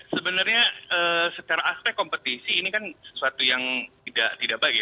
sebenarnya secara aspek kompetisi ini kan sesuatu yang tidak baik